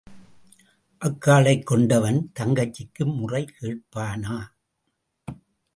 அக்காளைக் கொண்டவன் தங்கச்சிக்கு முறை கேட்பானா?